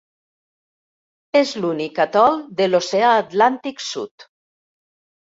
És l'únic atol de l'oceà Atlàntic Sud.